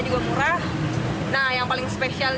juga murah nah yang paling spesial